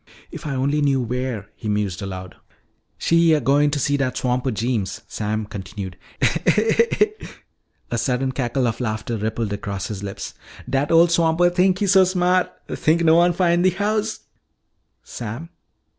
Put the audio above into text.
"If I only knew where " he mused aloud. "She a goin' to see dat swamper Jeems," Sam continued. "Heh, heh," a sudden cackle of laughter rippled across his lips. "Dat ole swamper think he so sma't. Think no one fin' he house " "Sam!"